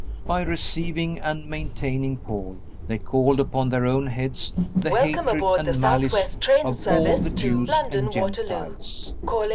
By receiving and maintaining Paul they called upon their own heads the hatred and malice of all the Jews and Gentiles.